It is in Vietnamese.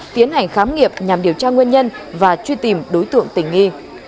tiến hành khám nghiệp nhằm điều tra nguyên nhân và truy tìm đối tượng tình nghi